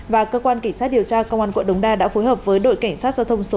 và cơ quan kỳ sát điều tra công an quận đống đa đã phối hợp với đội cảnh sát giao thông số một